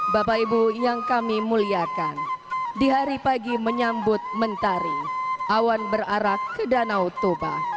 bapak ibu yang kami muliakan di hari pagi menyambut mentari awan berarah ke danau toba